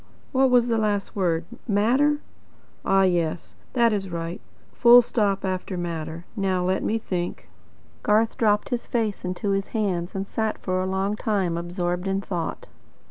What was the last word? 'Matter?' Ah yes. That is right. Full stop after 'matter.' Now let me think." Garth dropped his face into his hands, and sat for a long time absorbed in thought.